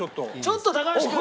ちょっと高橋君。